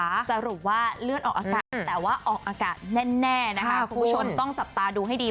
สรุปว่าเลือดออกอากาศแต่ว่าออกอากาศแน่นะคะคุณผู้ชมต้องจับตาดูให้ดี